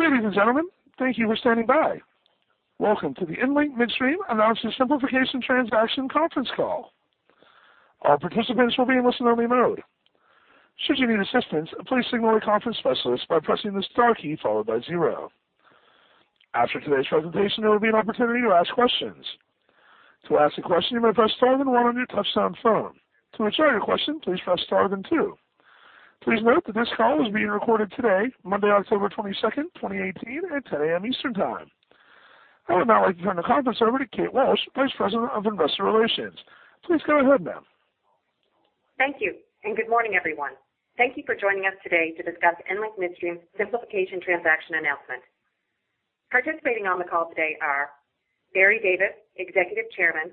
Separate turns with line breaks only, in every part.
Ladies and gentlemen, thank you for standing by. Welcome to the EnLink Midstream Announcement Simplification Transaction conference call. Our participants will be in listen only mode. Should you need assistance, please signal a conference specialist by pressing the star key followed by zero. After today's presentation, there will be an opportunity to ask questions. To ask a question, you may press star then one on your touch-tone phone. To withdraw your question, please press star then two. Please note that this call is being recorded today, Monday, October 22, 2018 at 10:00 A.M. Eastern Time. I would now like to turn the conference over to Kate Walsh, Vice President of Investor Relations. Please go ahead, ma'am.
Thank you. Good morning, everyone. Thank you for joining us today to discuss EnLink Midstream Simplification Transaction announcement. Participating on the call today are Barry Davis, Executive Chairman,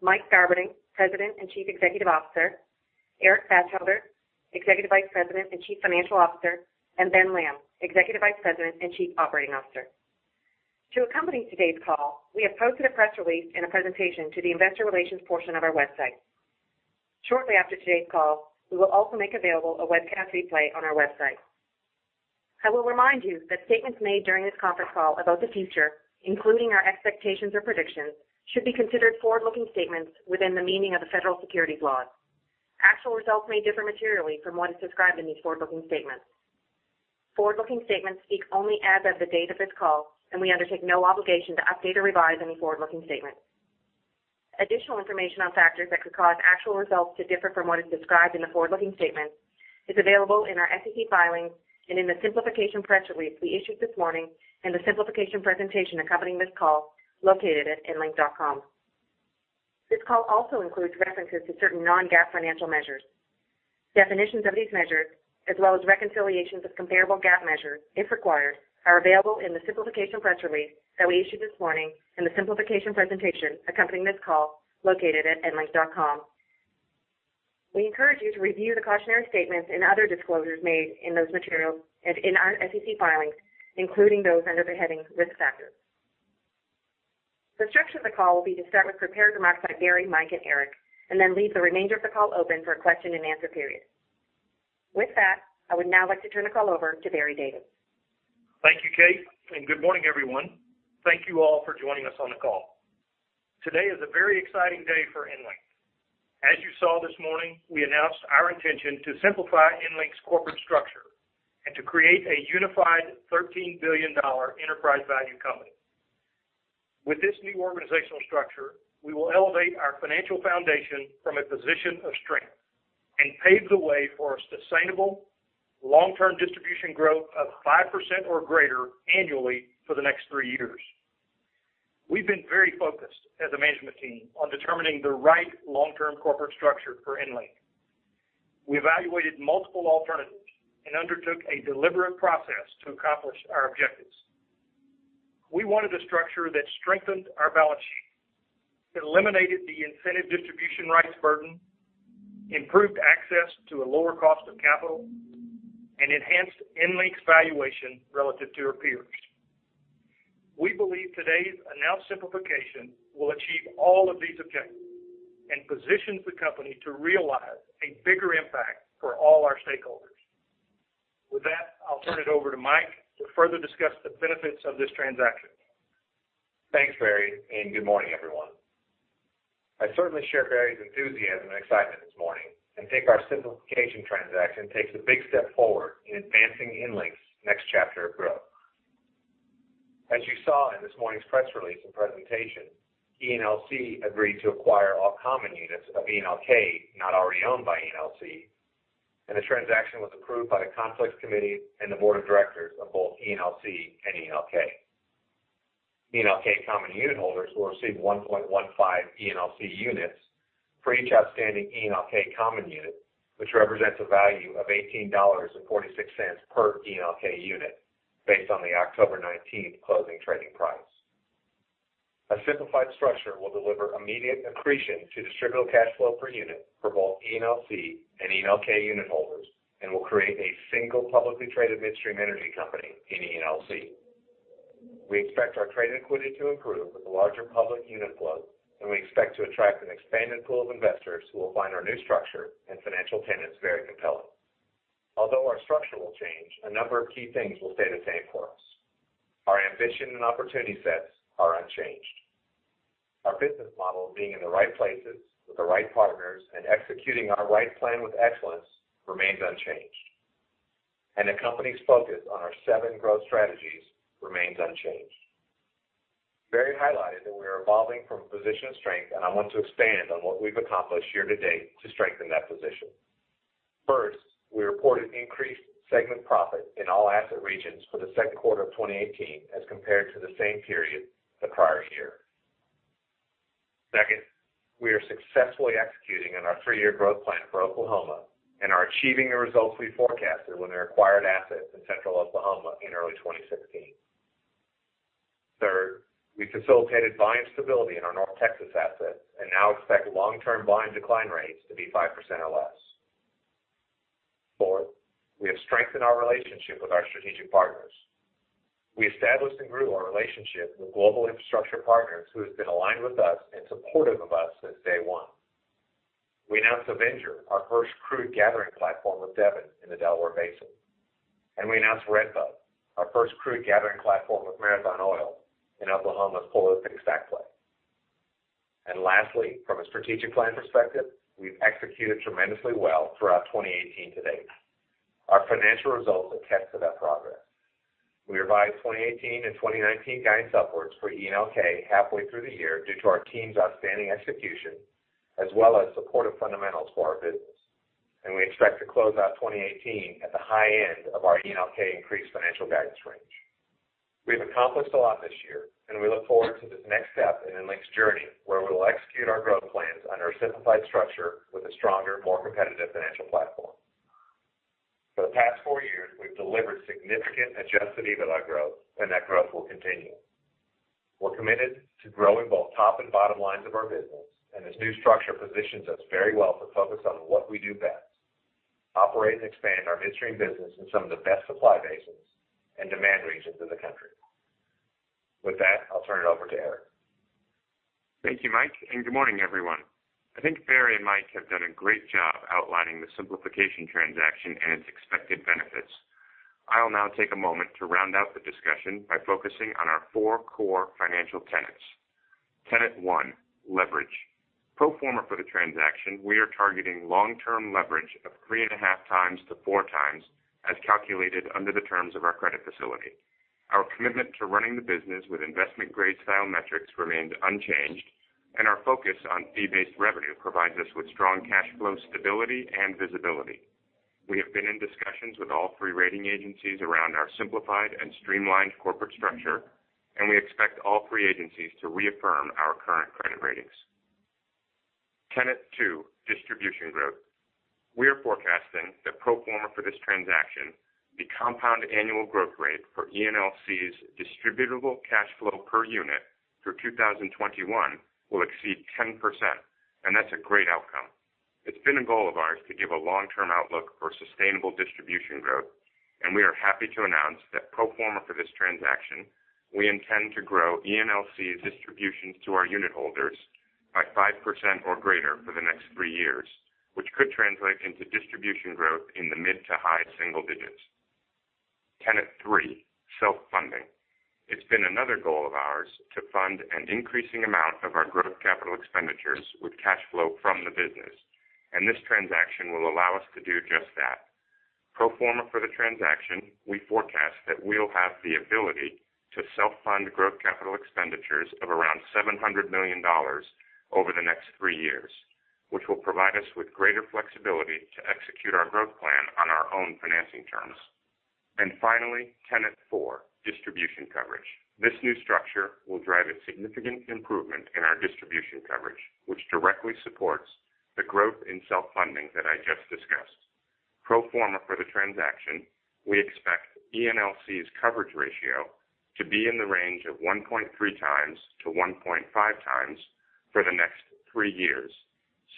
Mike Garberding, President and Chief Executive Officer, Eric Batchelder, Executive Vice President and Chief Financial Officer, and Ben Lamb, Executive Vice President and Chief Operating Officer. To accompany today's call, we have posted a press release and a presentation to the investor relations portion of our website. Shortly after today's call, we will also make available a webcast replay on our website. I will remind you that statements made during this conference call about the future, including our expectations or predictions, should be considered forward-looking statements within the meaning of the federal securities laws. Actual results may differ materially from what is described in these forward-looking statements. Forward-looking statements speak only as of the date of this call. We undertake no obligation to update or revise any forward-looking statements. Additional information on factors that could cause actual results to differ from what is described in the forward-looking statements is available in our SEC filings and in the simplification press release we issued this morning and the simplification presentation accompanying this call located at www.enlink.com. This call also includes references to certain non-GAAP financial measures. Definitions of these measures, as well as reconciliations of comparable GAAP measures, if required, are available in the simplification press release that we issued this morning and the simplification presentation accompanying this call located at www.enlink.com. We encourage you to review the cautionary statements and other disclosures made in those materials and in our SEC filings, including those under the heading Risk Factors. The structure of the call will be to start with prepared remarks by Barry, Mike, and Eric. Then leave the remainder of the call open for a question and answer period. With that, I would now like to turn the call over to Barry Davis.
Thank you, Kate. Good morning, everyone. Thank you all for joining us on the call. Today is a very exciting day for EnLink. As you saw this morning, we announced our intention to simplify EnLink's corporate structure and to create a unified $13 billion enterprise value company. With this new organizational structure, we will elevate our financial foundation from a position of strength and pave the way for a sustainable long-term distribution growth of 5% or greater annually for the next 3 years. We've been very focused as a management team on determining the right long-term corporate structure for EnLink. We evaluated multiple alternatives and undertook a deliberate process to accomplish our objectives. We wanted a structure that strengthened our balance sheet, eliminated the incentive distribution rights burden, improved access to a lower cost of capital, and enhanced EnLink's valuation relative to our peers. We believe today's announced simplification will achieve all of these objectives and positions the company to realize a bigger impact for all our stakeholders. With that, I'll turn it over to Mike to further discuss the benefits of this transaction.
Thanks, Barry. Good morning, everyone. I certainly share Barry's enthusiasm and excitement this morning. Our simplification transaction takes a big step forward in advancing EnLink's next chapter of growth. As you saw in this morning's press release and presentation, ENLC agreed to acquire all common units of ENLK not already owned by ENLC. The transaction was approved by the Conflicts Committee and the board of directors of both ENLC and ENLK. ENLK common unit holders will receive 1.15 ENLC units for each outstanding ENLK common unit, which represents a value of $18.46 per ENLK unit based on the October 19th closing trading price. A simplified structure will deliver immediate accretion to distributable cash flow per unit for both ENLC and ENLK unit holders and will create a single publicly traded midstream energy company in ENLC. We expect our trade liquidity to improve with a larger public unit flow. We expect to attract an expanded pool of investors who will find our new structure and financial tenants very compelling. Although our structure will change, a number of key things will stay the same for us. Our ambition and opportunity sets are unchanged. Our business model, being in the right places with the right partners and executing our right plan with excellence, remains unchanged. The company's focus on our seven growth strategies remains unchanged. Barry highlighted that we are evolving from a position of strength. I want to expand on what we've accomplished year-to-date to strengthen that position. First, we reported increased segment profit in all asset regions for the second quarter of 2018 as compared to the same period the prior year. Second, we are successfully executing on our three-year growth plan for Oklahoma and are achieving the results we forecasted when we acquired assets in central Oklahoma in early 2016. Third, we facilitated volume stability in our North Texas asset and now expect long-term volume decline rates to be 5% or less. Fourth, we have strengthened our relationship with our strategic partners. We established and grew our relationship with Global Infrastructure Partners, who has been aligned with us and supportive of us since day one. We announced Avenger, our first crude gathering platform with Devon in the Delaware Basin. We announced Redbud, our first crude gathering platform with Marathon Oil in Oklahoma's STACK play. Lastly, from a strategic plan perspective, we've executed tremendously well throughout 2018 to date. Our financial results attest to that progress. We revised 2018 and 2019 guidance upwards for ENLK halfway through the year due to our team's outstanding execution, as well as supportive fundamentals for our business. We expect to close out 2018 at the high end of our ENLK increased financial guidance range. We've accomplished a lot this year, and we look forward to this next step in EnLink's journey, where we will execute our growth plans under a simplified structure with a stronger, more competitive financial platform. For the past four years, we've delivered significant adjusted EBITDA growth, and that growth will continue. We're committed to growing both top and bottom lines of our business, and this new structure positions us very well to focus on what we do best: operate and expand our midstream business in some of the best supply basins and demand regions in the country. With that, I'll turn it over to Eric.
Thank you, Mike, and good morning, everyone. I think Barry and Mike have done a great job outlining the simplification transaction and its expected benefits. I will now take a moment to round out the discussion by focusing on our four core financial tenets. Tenet one: leverage. Pro forma for the transaction, we are targeting long-term leverage of three and a half times to four times, as calculated under the terms of our credit facility. Our commitment to running the business with investment-grade style metrics remains unchanged, and our focus on fee-based revenue provides us with strong cash flow stability and visibility. We have been in discussions with all three rating agencies around our simplified and streamlined corporate structure, and we expect all three agencies to reaffirm our current credit ratings. Tenet two: distribution growth. We are forecasting that pro forma for this transaction, the compound annual growth rate for ENLC's distributable cash flow per unit through 2021 will exceed 10%, and that's a great outcome. It's been a goal of ours to give a long-term outlook for sustainable distribution growth, and we are happy to announce that pro forma for this transaction, we intend to grow ENLC's distributions to our unit holders by 5% or greater for the next three years, which could translate into distribution growth in the mid to high single digits. Tenet three: self-funding. It's been another goal of ours to fund an increasing amount of our growth capital expenditures with cash flow from the business, and this transaction will allow us to do just that. Pro forma for the transaction, we forecast that we'll have the ability to self-fund growth capital expenditures of around $700 million over the next three years, which will provide us with greater flexibility to execute our growth plan on our own financing terms. Finally, tenet 4: distribution coverage. This new structure will drive a significant improvement in our distribution coverage, which directly supports the growth in self-funding that I just discussed. Pro forma for the transaction, we expect ENLC's coverage ratio to be in the range of 1.3 times to 1.5 times for the next three years,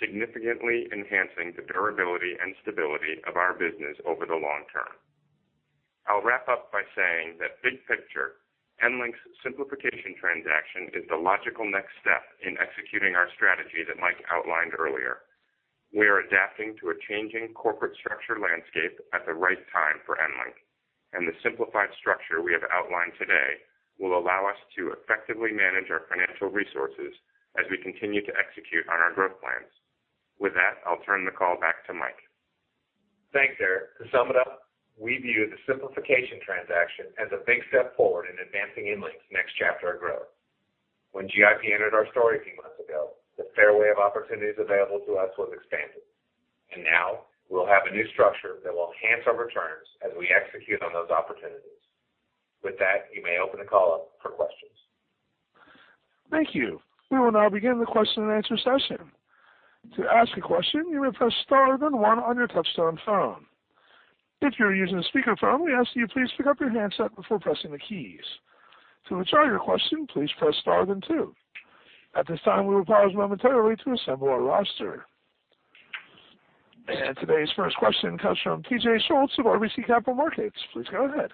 significantly enhancing the durability and stability of our business over the long term. I'll wrap up by saying that big picture, EnLink's simplification transaction is the logical next step in executing our strategy that Mike outlined earlier. We are adapting to a changing corporate structure landscape at the right time for EnLink. The simplified structure we have outlined today will allow us to effectively manage our financial resources as we continue to execute on our growth plans. With that, I'll turn the call back to Mike.
Thanks, Eric. To sum it up, we view the simplification transaction as a big step forward in advancing EnLink's next chapter of growth. When GIP entered our story a few months ago, the fairway of opportunities available to us was expanded. Now we'll have a new structure that will enhance our returns as we execute on those opportunities. With that, you may open the call up for questions.
Thank you. We will now begin the question and answer session. To ask a question, you may press star then one on your touchtone phone. If you are using a speakerphone, we ask that you please pick up your handset before pressing the keys. To withdraw your question, please press star then two. At this time, we will pause momentarily to assemble our roster. Today's first question comes from T.J. Schultz of RBC Capital Markets. Please go ahead.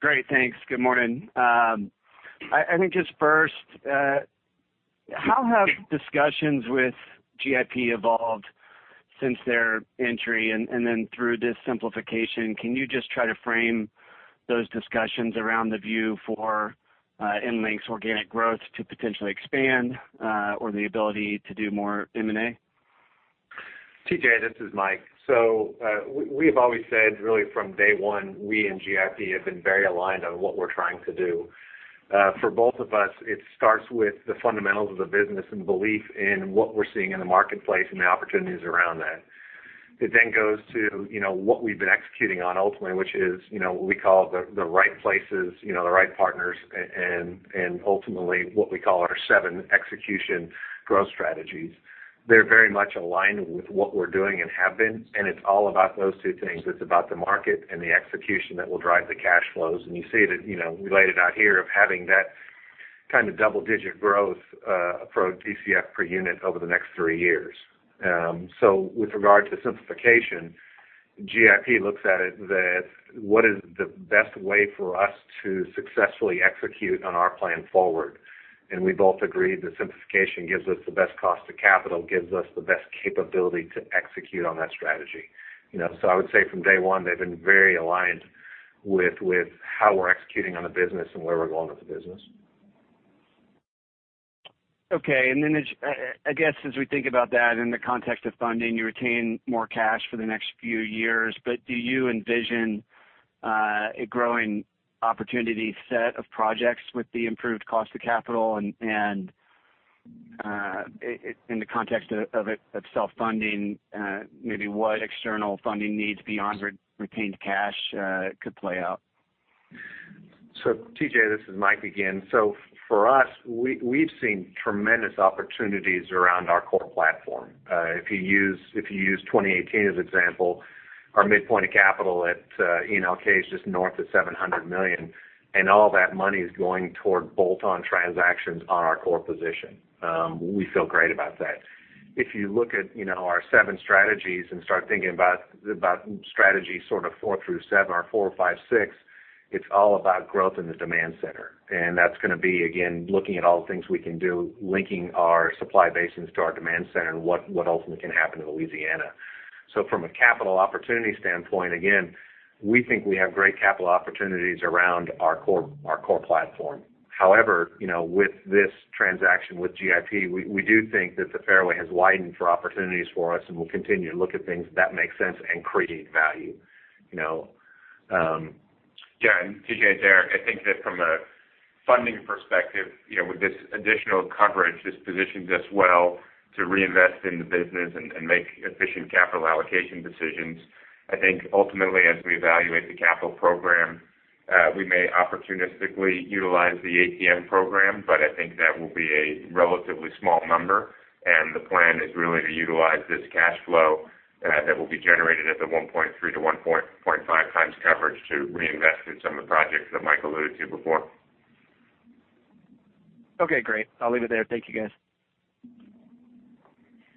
Great. Thanks. Good morning. I think just first, how have discussions with GIP evolved since their entry? Through this simplification, can you just try to frame those discussions around the view for EnLink's organic growth to potentially expand or the ability to do more M&A?
T.J., this is Mike. We have always said, really from day one, we and GIP have been very aligned on what we're trying to do. For both of us, it starts with the fundamentals of the business and belief in what we're seeing in the marketplace and the opportunities around that. It then goes to what we've been executing on ultimately, which is what we call the right places, the right partners, and ultimately what we call our seven execution growth strategies. They're very much aligned with what we're doing and have been, and it's all about those two things. It's about the market and the execution that will drive the cash flows. You see it related out here of having that kind of double-digit growth approach DCF per unit over the next three years. With regard to the simplification GIP looks at it that what is the best way for us to successfully execute on our plan forward? We both agreed that simplification gives us the best cost to capital, gives us the best capability to execute on that strategy. I would say from day one, they've been very aligned with how we're executing on the business and where we're going with the business.
Okay. I guess as we think about that in the context of funding, you retain more cash for the next few years, but do you envision a growing opportunity set of projects with the improved cost of capital and, in the context of it, of self-funding, maybe what external funding needs beyond retained cash could play out?
TJ, this is Mike again. For us, we've seen tremendous opportunities around our core platform. If you use 2018 as example, our midpoint of capital at ENLK is just north of $700 million, and all that money is going toward bolt-on transactions on our core position. We feel great about that. If you look at our seven strategies and start thinking about strategy sort of four through seven or four, five, six, it's all about growth in the demand center. That's going to be, again, looking at all the things we can do, linking our supply basins to our demand center, and what ultimately can happen in Louisiana. From a capital opportunity standpoint, again, we think we have great capital opportunities around our core platform. However, with this transaction with GIP, we do think that the fairway has widened for opportunities for us, and we'll continue to look at things that make sense and create value.
Yeah. TJ, it's Eric. I think that from a funding perspective, with this additional coverage, this positions us well to reinvest in the business and make efficient capital allocation decisions. I think ultimately, as we evaluate the capital program, we may opportunistically utilize the ATM program, but I think that will be a relatively small number, and the plan is really to utilize this cash flow that will be generated at the 1.3-1.5 times coverage to reinvest in some of the projects that Mike alluded to before.
Okay, great. I'll leave it there. Thank you, guys.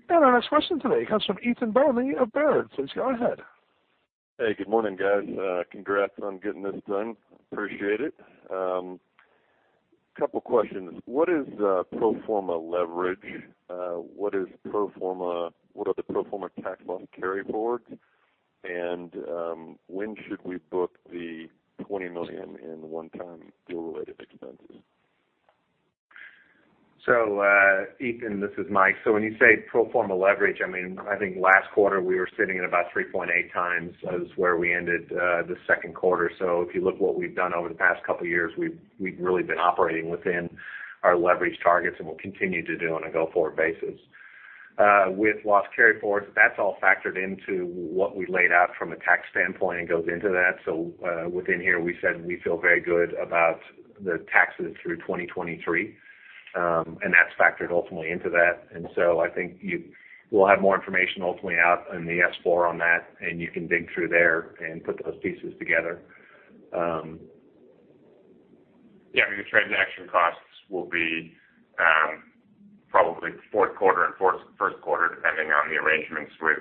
Our next question today comes from Ethan Burk of Baird. Please go ahead.
Hey. Good morning, guys. Congrats on getting this done. Appreciate it. Couple questions. What is pro forma leverage? What are the pro forma tax loss carryforwards? When should we book the $20 million in one-time deal related expenses?
Ethan, this is Mike. When you say pro forma leverage, I think last quarter we were sitting at about 3.8x as where we ended the second quarter. If you look what we've done over the past couple of years, we've really been operating within our leverage targets, and we'll continue to do on a go-forward basis. With loss carryforwards, that's all factored into what we laid out from a tax standpoint and goes into that. Within here, we said we feel very good about the taxes through 2023. That's factored ultimately into that. I think we'll have more information ultimately out in the S-4 on that, and you can dig through there and put those pieces together.
Yeah. The transaction costs will be probably fourth quarter and first quarter, depending on the arrangements with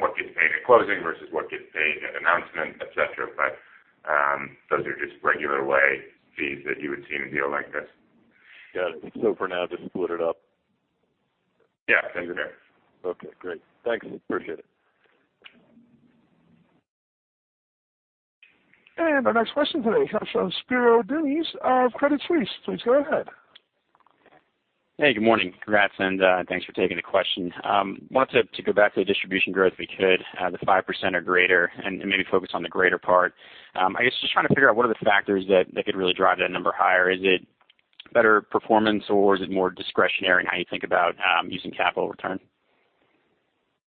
what gets paid at closing versus what gets paid at announcement, et cetera. Those are just regular way fees that you would see in a deal like this.
Got it. For now, just split it up.
Yeah.
Thanks. Okay, great. Thanks. Appreciate it.
Our next question today comes from Spiro Dounis of Credit Suisse. Please go ahead.
Hey, good morning. Congrats, thanks for taking the question. Wanted to go back to the distribution growth, if we could, the 5% or greater, and maybe focus on the greater part. I guess just trying to figure out what are the factors that could really drive that number higher. Is it better performance or is it more discretionary in how you think about using capital return?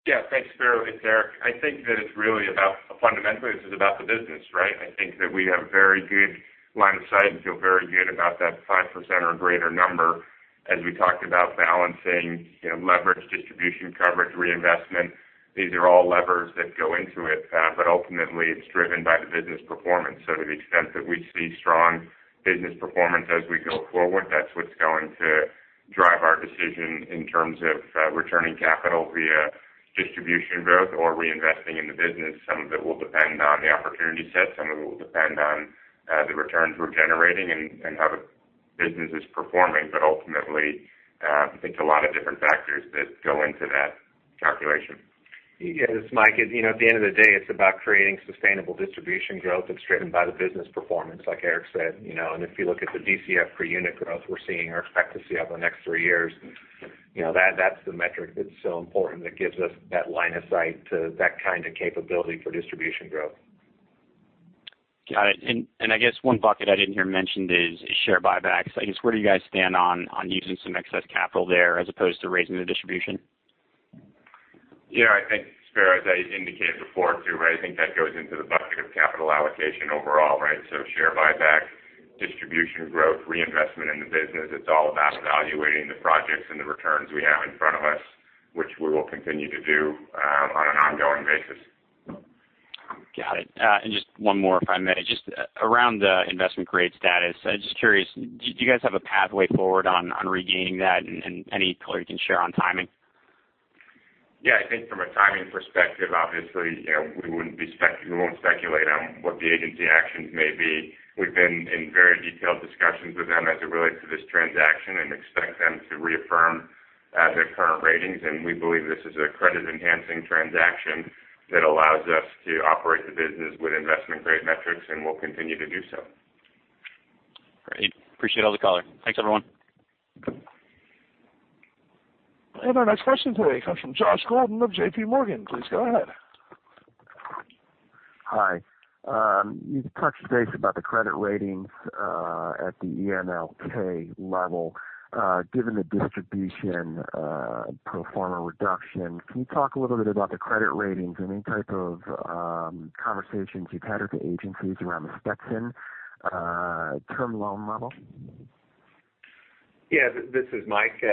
Yeah. Thanks, Spiro. It's Eric. I think that it's really about, fundamentally, this is about the business, right? I think that we have a very good line of sight and feel very good about that 5% or greater number. As we talked about balancing leverage, distribution coverage, reinvestment, these are all levers that go into it. Ultimately, it's driven by the business performance. To the extent that we see strong business performance as we go forward, that's what's going to drive our decision in terms of returning capital via distribution growth or reinvesting in the business. Some of it will depend on the opportunity set, some of it will depend on the returns we're generating and how the business is performing. Ultimately, I think a lot of different factors that go into that calculation.
Yeah, this is Mike. At the end of the day, it's about creating sustainable distribution growth that's driven by the business performance, like Eric said. If you look at the DCF per unit growth we're seeing or expect to see over the next three years, that's the metric that's so important that gives us that line of sight to that kind of capability for distribution growth.
Got it. I guess one bucket I didn't hear mentioned is share buybacks. I guess, where do you guys stand on using some excess capital there as opposed to raising the distribution?
Yeah, I think, Spiro, as I indicated before, too, I think that goes into the bucket of capital allocation overall, right? Share buyback, distribution growth, reinvestment in the business, it's all about evaluating the projects and the returns we have in front of us, which we will continue to do on an ongoing basis.
Got it. Just one more if I may. Just around the investment grade status, I'm just curious, do you guys have a pathway forward on regaining that? Any color you can share on timing?
Yeah, I think from a timing perspective, obviously, we won't speculate on what the agency actions may be. We've been in very detailed discussions with them as it relates to this transaction and expect them to reaffirm their current ratings. We believe this is a credit-enhancing transaction that allows us to operate the business with investment grade metrics, and we'll continue to do so.
Great. Appreciate all the color. Thanks, everyone.
Our next question today comes from Joshua Golden of JP Morgan. Please go ahead.
Hi. You've touched base about the credit ratings at the ENLK level. Given the distribution pro forma reduction, can you talk a little bit about the credit ratings? Any type of conversations you've had with the agencies around the Stetson term loan level?
Yeah. This is Mike.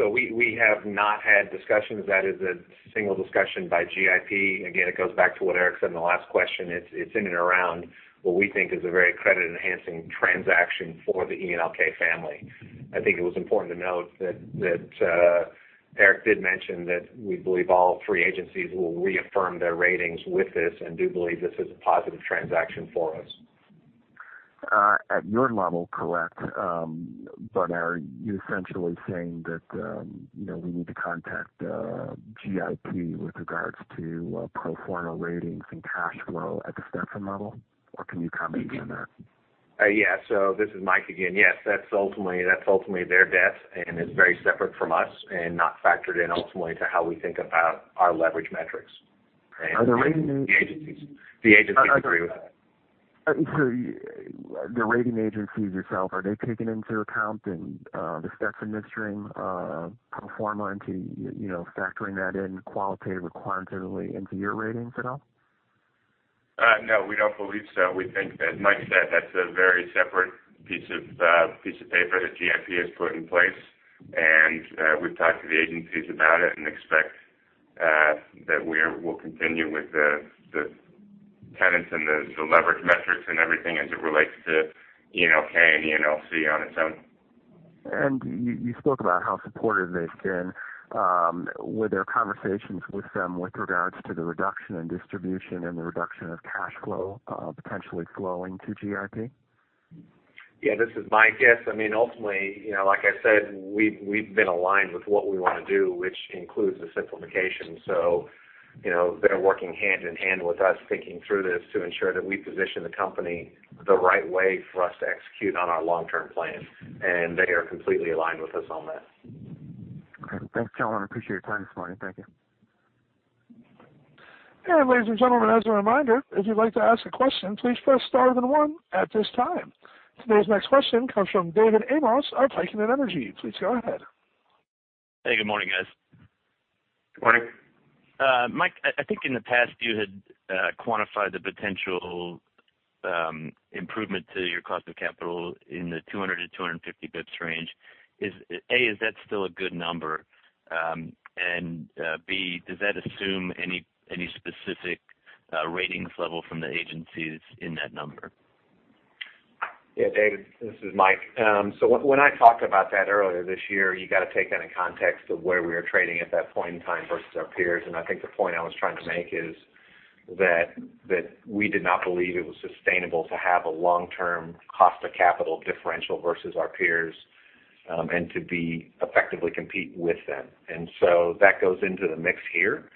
We have not had discussions. That is a single discussion by GIP. Again, it goes back to what Eric said in the last question. It's in and around what we think is a very credit-enhancing transaction for the ENLK family. I think it was important to note that Eric did mention that we believe all three agencies will reaffirm their ratings with this and do believe this is a positive transaction for us.
At your level, correct. Are you essentially saying that we need to contact GIP with regards to pro forma ratings and cash flow at the Stetson level? Can you comment on that?
Yeah. This is Mike again. Yes. That's ultimately their debt, and it's very separate from us and not factored in ultimately to how we think about our leverage metrics.
Are the rating-
The agencies agree with that.
The rating agencies yourself, are they taking into account in the Stetson Midstream pro forma into factoring that in qualitatively or quantitatively into your ratings at all?
No, we don't believe so. We think, as Mike said, that's a very separate piece of paper that GIP has put in place. We've talked to the agencies about it and expect that we'll continue with the tenets and the leverage metrics and everything as it relates to ENLK and ENLC on its own.
You spoke about how supportive they've been. Were there conversations with them with regards to the reduction in distribution and the reduction of cash flow potentially flowing to GIP?
This is Mike. Yes. Ultimately, like I said, we've been aligned with what we want to do, which includes the simplification. They're working hand in hand with us, thinking through this to ensure that we position the company the right way for us to execute on our long-term plan. They are completely aligned with us on that.
Okay. Thanks, gentlemen. I appreciate your time this morning. Thank you.
Ladies and gentlemen, as a reminder, if you'd like to ask a question, please press star then one at this time. Today's next question comes from David Amsellem of Piper Sandler. Please go ahead.
Hey, good morning, guys.
Good morning.
Mike, I think in the past, you had quantified the potential improvement to your cost of capital in the 200-250 basis points range. A, is that still a good number? B, does that assume any specific ratings level from the agencies in that number?
David, this is Mike. When I talked about that earlier this year, you got to take that in context of where we were trading at that point in time versus our peers. I think the point I was trying to make is that we did not believe it was sustainable to have a long-term cost of capital differential versus our peers, and to effectively compete with them. That goes into the mix here.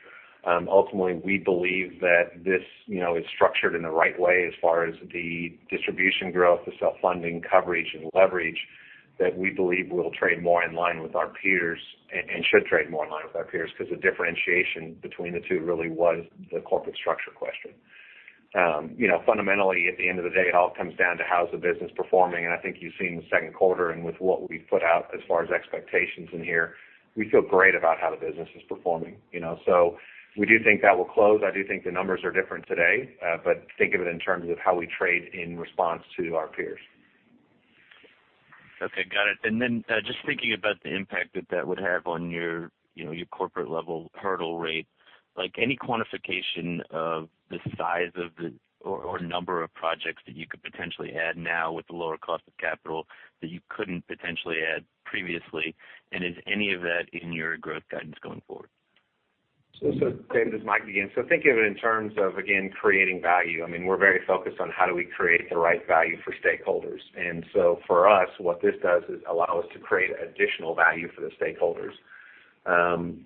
Ultimately, we believe that this is structured in the right way as far as the distribution growth, the self-funding coverage, and leverage, that we believe we'll trade more in line with our peers and should trade more in line with our peers because the differentiation between the two really was the corporate structure question. Fundamentally, at the end of the day, it all comes down to how's the business performing, and I think you've seen the second quarter and with what we've put out as far as expectations in here. We feel great about how the business is performing. We do think that will close. I do think the numbers are different today. Think of it in terms of how we trade in response to our peers.
Okay, got it. Just thinking about the impact that that would have on your corporate-level hurdle rate, any quantification of the size of the or number of projects that you could potentially add now with the lower cost of capital that you couldn't potentially add previously? Is any of that in your growth guidance going forward?
David, this is Mike again. Think of it in terms of, again, creating value. We're very focused on how do we create the right value for stakeholders. For us, what this does is allow us to create additional value for the stakeholders.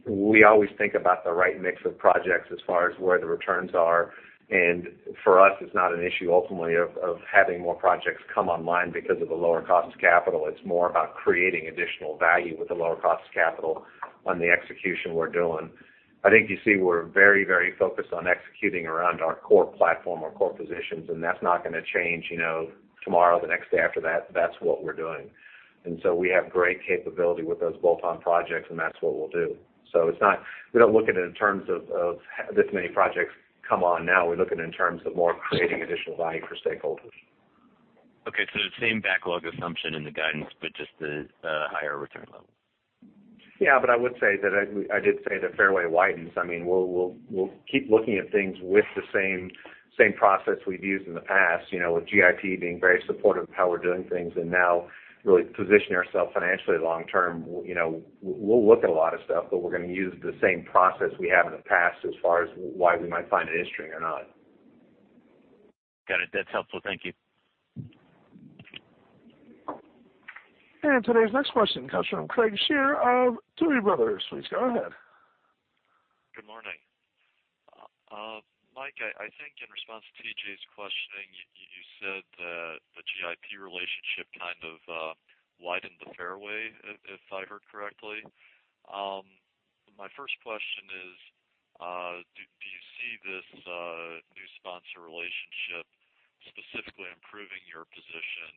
We always think about the right mix of projects as far as where the returns are, and for us, it's not an issue ultimately of having more projects come online because of the lower cost of capital. It's more about creating additional value with the lower cost of capital on the execution we're doing. I think you see we're very focused on executing around our core platform, our core positions, and that's not going to change tomorrow, the next day after that. That's what we're doing. We have great capability with those bolt-on projects, and that's what we'll do. We don't look at it in terms of this many projects come on now. We look at it in terms of more creating additional value for stakeholders.
Okay. The same backlog assumption in the guidance, but just the higher return levels.
Yeah. I would say that I did say that fairway widens. We'll keep looking at things with the same process we've used in the past, with GIP being very supportive of how we're doing things, and now really positioning ourselves financially long-term. We'll look at a lot of stuff, but we're going to use the same process we have in the past as far as why we might find it interesting or not.
Got it. That's helpful. Thank you.
Today's next question comes from Craig Shere of Tuohy Brothers. Please go ahead.
Good morning. Mike, I think in response to T.J.'s questioning, you said that the GIP relationship kind of widened the fairway, if I heard correctly. My first question is, do you see this new sponsor relationship specifically improving your position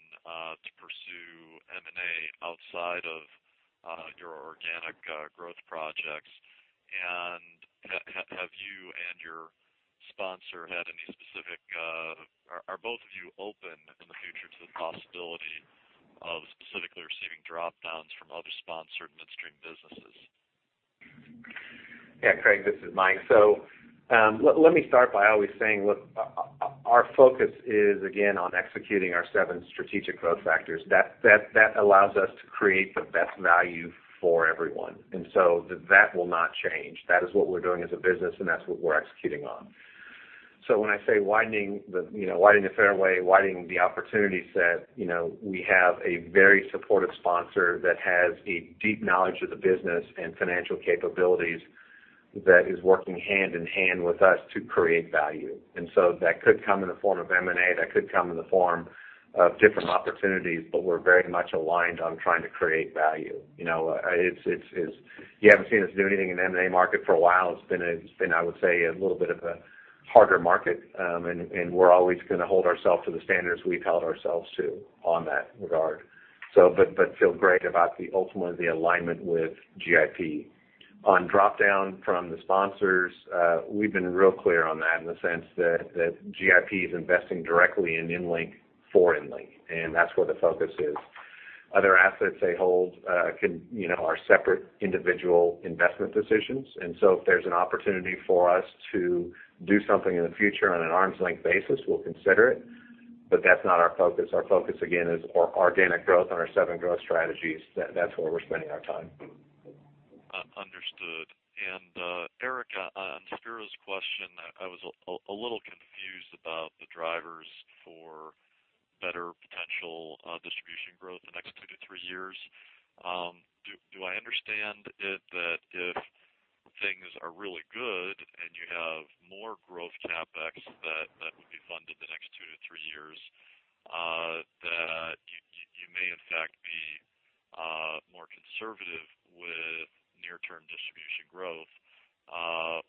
to pursue M&A outside of your organic growth projects? Are both of you open in the future to the possibility of specifically receiving drop-downs from other sponsored midstream businesses?
Yeah, Craig, this is Mike. Let me start by always saying, look, our focus is again, on executing our seven strategic growth factors. That allows us to create the best value for everyone. That will not change. That is what we're doing as a business, and that's what we're executing on. When I say widening the fairway, widening the opportunity set, we have a very supportive sponsor that has a deep knowledge of the business and financial capabilities that is working hand in hand with us to create value. That could come in the form of M&A, that could come in the form of different opportunities, but we're very much aligned on trying to create value. You haven't seen us do anything in the M&A market for a while. It's been, I would say, a little bit of a harder market. We're always going to hold ourselves to the standards we've held ourselves to on that regard. Feel great about ultimately the alignment with GIP. On drop-down from the sponsors, we've been real clear on that in the sense that GIP is investing directly in EnLink for EnLink, and that's where the focus is. Other assets they hold are separate individual investment decisions. If there's an opportunity for us to do something in the future on an arm's length basis, we'll consider it. That's not our focus. Our focus again, is organic growth on our seven growth strategies. That's where we're spending our time.
Understood. Eric, on Spiro's question, I was a little confused about the drivers for better potential distribution growth the next two to three years. Do I understand it that if things are really good, and you have more growth CapEx that would be funded the next two to three years, that you may in fact be more conservative with near-term distribution growth?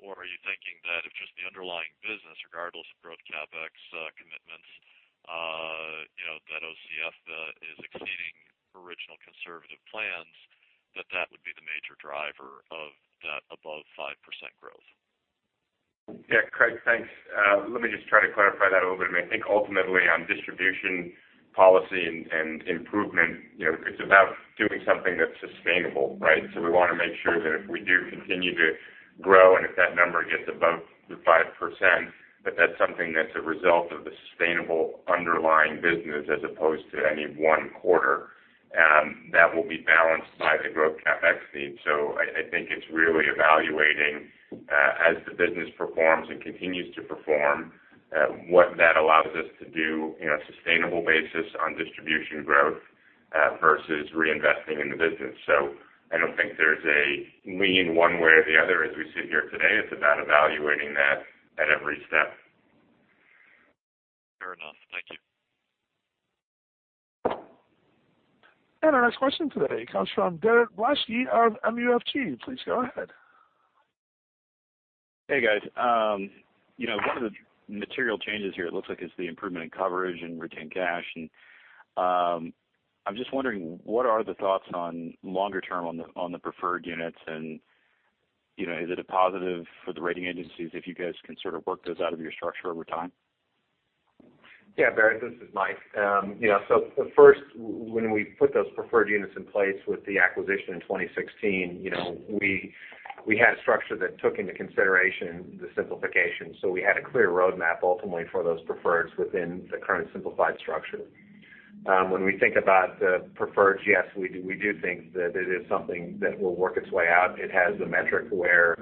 Or are you thinking that if just the underlying business, regardless of growth CapEx commitments, that OCF is exceeding original conservative plans, that that would be the major driver of that above 5% growth?
Craig, thanks. Let me just try to clarify that a little bit. I think ultimately on distribution policy and improvement, it's about doing something that's sustainable, right? We want to make sure that if we do continue to grow, and if that number gets above the 5%, that that's something that's a result of the sustainable underlying business as opposed to any one quarter. That will be balanced by the growth CapEx need. I think it's really evaluating, as the business performs and continues to perform, what that allows us to do in a sustainable basis on distribution growth versus reinvesting in the business. I don't think there's a lean one way or the other as we sit here today. It's about evaluating that at every step.
Fair enough. Thank you.
Our next question today comes from Barrett Blaschke of MUFG. Please go ahead.
Hey, guys. One of the material changes here, it looks like it's the improvement in coverage and retained cash. I'm just wondering, what are the thoughts on longer term on the preferred units, and is it a positive for the rating agencies if you guys can sort of work those out of your structure over time?
Barrett, this is Mike. First, when we put those preferred units in place with the acquisition in 2016, we had a structure that took into consideration the simplification. We had a clear roadmap ultimately for those preferreds within the current simplified structure. When we think about the preferreds, yes, we do think that it's something that will work its way out. It has the metric where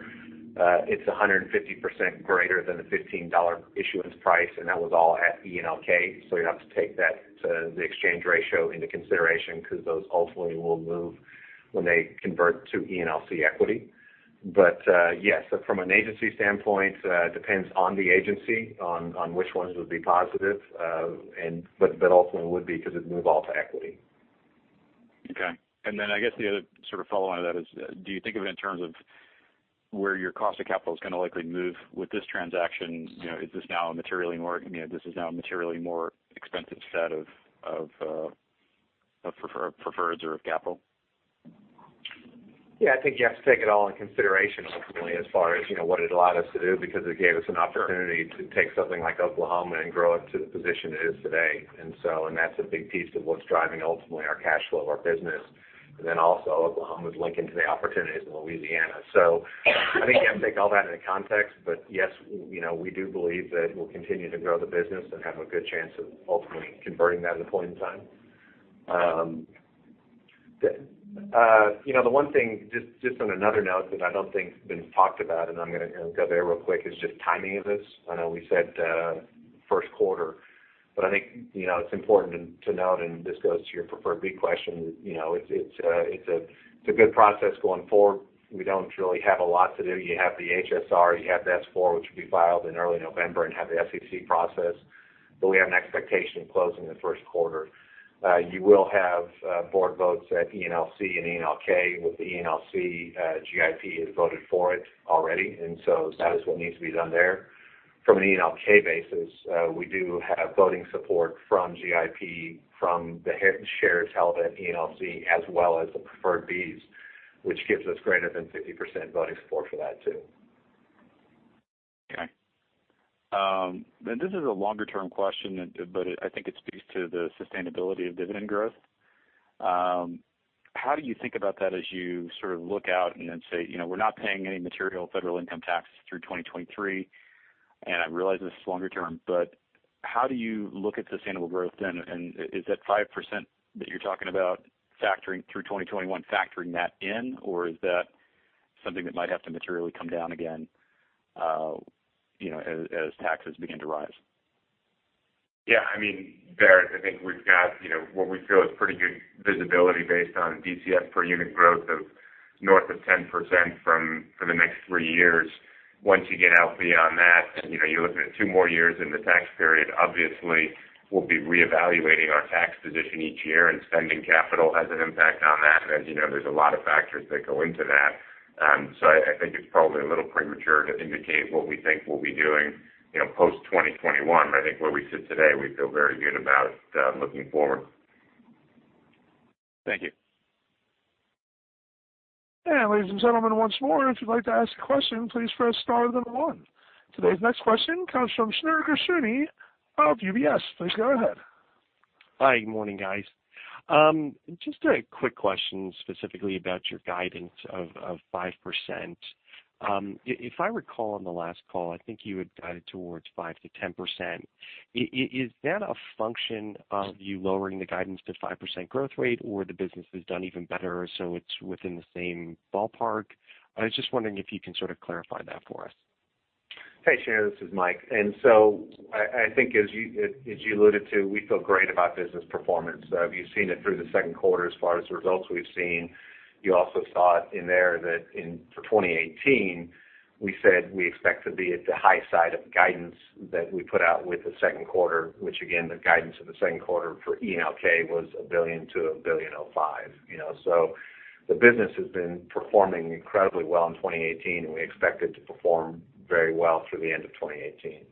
it's 150% greater than the $15 issuance price, and that was all at ENLK. You'd have to take that, the exchange ratio into consideration, because those ultimately will move when they convert to ENLC equity. Yes. From an agency standpoint, it depends on the agency on which ones would be positive. Ultimately, it would be because it'd move all to equity.
I guess the other sort of follow-on to that is, do you think of it in terms of where your cost of capital is going to likely move with this transaction? Is this now a materially more expensive set of preferreds or of capital?
I think you have to take it all in consideration, ultimately, as far as what it allowed us to do, because it gave us an opportunity to take something like Oklahoma and grow it to the position it is today. That's a big piece of what's driving, ultimately, our cash flow of our business. Also Oklahoma's linking to the opportunities in Louisiana. I think you have to take all that into context. Yes, we do believe that we'll continue to grow the business and have a good chance of ultimately converting that at a point in time. The one thing, just on another note that I don't think has been talked about, and I'm going to go there real quick, is just timing of this. I know we said first quarter, I think it's important to note, and this goes to your Preferred B question. It's a good process going forward. We don't really have a lot to do. You have the HSR, you have the S-4, which will be filed in early November, and have the SEC process. We have an expectation of closing in the first quarter. You will have board votes at ENLC and ENLK. With the ENLC, GIP has voted for it already, that is what needs to be done there. From an ENLK basis, we do have voting support from GIP, from the shared held at ENLC, as well as the Preferred Bs, which gives us greater than 50% voting support for that, too.
Okay. This is a longer-term question, but I think it speaks to the sustainability of dividend growth. How do you think about that as you sort of look out and then say, "We're not paying any material federal income tax through 2023." I realize this is longer term, but how do you look at sustainable growth then? Is that 5% that you're talking about through 2021 factoring that in, or is that something that might have to materially come down again as taxes begin to rise?
Yeah. Barrett, I think we've got what we feel is pretty good visibility based on DCF per unit growth of north of 10% for the next three years. Once you get out beyond that, then you're looking at two more years in the tax period. Obviously, we'll be reevaluating our tax position each year, and spending capital has an impact on that. As you know, there's a lot of factors that go into that. I think it's probably a little premature to indicate what we think we'll be doing post-2021. I think where we sit today, we feel very good about looking forward.
Thank you.
Ladies and gentlemen, once more, if you'd like to ask a question, please press star then one. Today's next question comes from Snigdha Garg of UBS. Please go ahead.
Hi. Good morning, guys. Just a quick question specifically about your guidance of 5%. If I recall on the last call, I think you had guided towards 5%-10%. Is that a function of you lowering the guidance to 5% growth rate, or the business has done even better, so it's within the same ballpark? I was just wondering if you can sort of clarify that for us.
Hey, Snigdha, this is Mike. I think as you alluded to, we feel great about business performance. You've seen it through the second quarter as far as the results we've seen. You also saw it in there that for 2018, we said we expect to be at the high side of guidance that we put out with the second quarter, which again, the guidance of the second quarter for ENLK was $1 billion-$1.05 billion. The business has been performing incredibly well in 2018, and we expect it to perform very well through the end of 2018.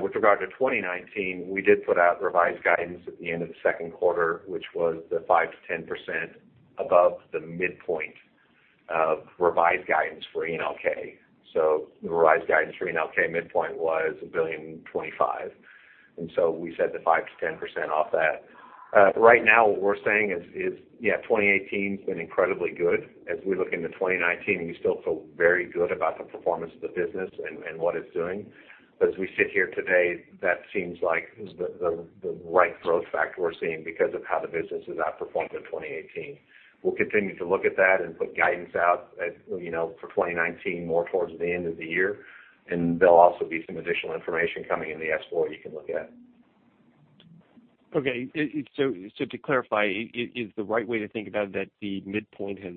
With regard to 2019, we did put out revised guidance at the end of the second quarter, which was the 5%-10% above the midpoint of revised guidance for ENLK. The revised guidance for ENLK midpoint was $1.025 billion. We said the 5%-10% off that. Right now, what we're saying is, yeah, 2018's been incredibly good. As we look into 2019, we still feel very good about the performance of the business and what it's doing. As we sit here today, that seems like the right growth factor we're seeing because of how the business has outperformed in 2018. We'll continue to look at that and put guidance out for 2019 more towards the end of the year. There'll also be some additional information coming in the S-4 you can look at.
Okay. To clarify, is the right way to think about it that the midpoint has,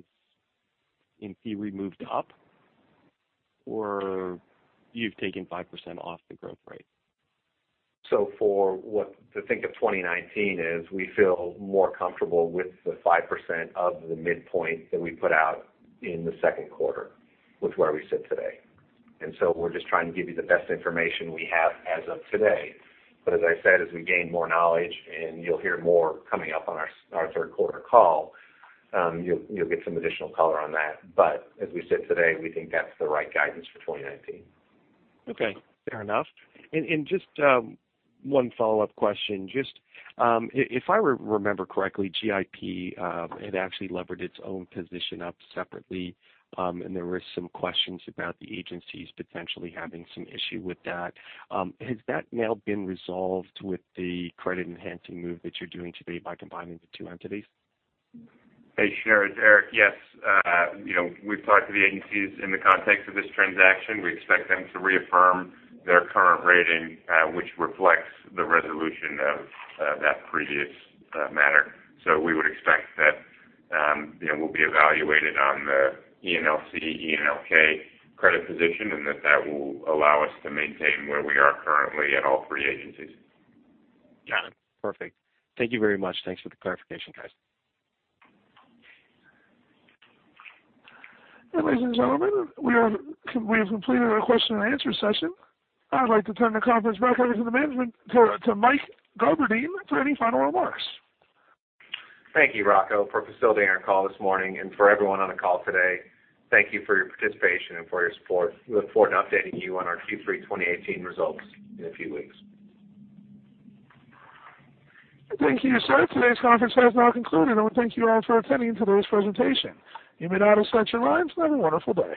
in theory, moved up? Or you've taken 5% off the growth rate?
To think of 2019 is, we feel more comfortable with the 5% of the midpoint that we put out in the second quarter, with where we sit today. We're just trying to give you the best information we have as of today. As I said, as we gain more knowledge, and you'll hear more coming up on our third quarter call, you'll get some additional color on that. As we sit today, we think that's the right guidance for 2019.
Okay. Fair enough. Just one follow-up question. Just if I remember correctly, GIP had actually levered its own position up separately, and there were some questions about the agencies potentially having some issue with that. Has that now been resolved with the credit enhancing move that you're doing today by combining the two entities?
Hey, Snigdha, it's Eric. Yes. We've talked to the agencies in the context of this transaction. We expect them to reaffirm their current rating, which reflects the resolution of that previous matter. We would expect that we'll be evaluated on the ENLC, ENLK credit position, and that that will allow us to maintain where we are currently at all three agencies.
Got it. Perfect. Thank you very much. Thanks for the clarification, guys.
Ladies and gentlemen, we have completed our question and answer session. I'd like to turn the conference back over to Mike Garberding for any final remarks.
Thank you, Rocco, for facilitating our call this morning. For everyone on the call today, thank you for your participation and for your support. We look forward to updating you on our Q3 2018 results in a few weeks.
Thank you. Today's conference has now concluded, and I want to thank you all for attending today's presentation. You may now disconnect your lines and have a wonderful day.